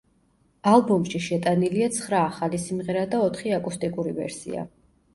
ალბომში შეტანილია ცხრა ახალი სიმღერა და ოთხი აკუსტიკური ვერსია.